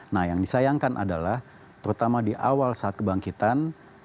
nah yang disayangkan adalah terutama di awal saat kebangkitan